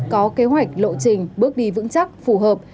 có kế hoạch lộ trình bước đi vững chắc phù hợp